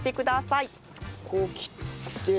こう切って。